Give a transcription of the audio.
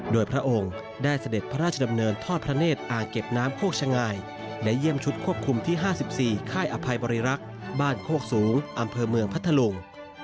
โดยพระองค์ได้เสด็จพระราชดำเนินทอดพระเนธอ่างเก็บน้ำโคกชะงายและเยี่ยมชุดควบคุมที่๕๔ค่ายอภัยบริรักษ์บ้านโคกสูงอำเภอเมืองพัทธลุง